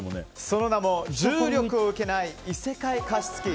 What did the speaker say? その名も、重力を受けない「異世界加湿器」。